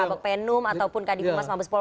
kbp num ataupun kdkm mabes polri